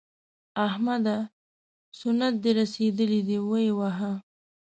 احمده! سنت دې رسېدلي دي؛ ویې وهه.